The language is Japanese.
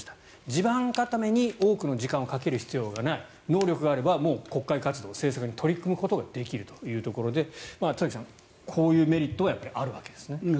地盤固めに多くの時間をかける必要がない能力があればもう国会活動、政策に取り組むことができるということで田崎さん、こういうメリットはやっぱりあるわけですね。